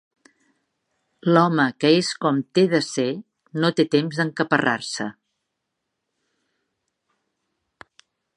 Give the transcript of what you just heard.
L'home que és com té de ser no té temps d'encaparrar-se